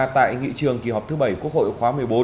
tại nghị trường kỳ họp thứ bảy quốc hội khóa một mươi bốn